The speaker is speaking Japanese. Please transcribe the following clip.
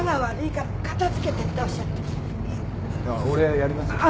俺やりますよ。